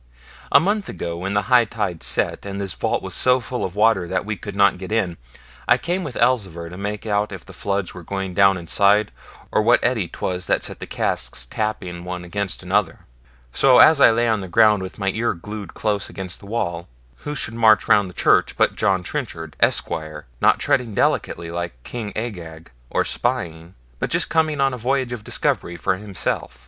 A month ago, when the high tide set, and this vault was so full of water that we could not get in, I came with Elzevir to make out if the floods were going down inside, or what eddy 'twas that set the casks tapping one against another. So as I lay on the ground with my ear glued close against the wall, who should march round the church but John Trenchard, Esquire, not treading delicately like King Agag, or spying, but just come on a voyage of discovery for himself.